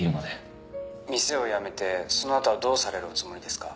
「店をやめてそのあとはどうされるおつもりですか？」